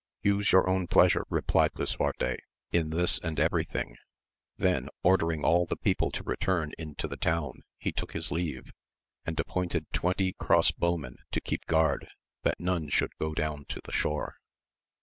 Use your own pleasure, replied Lisuarte, in this and every thing ; then ordering all the people to return into the town he took his leave, and appointed twenty cross bowmen to keep guard that none should go down to the shore.